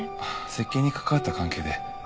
設計に関わった関係で。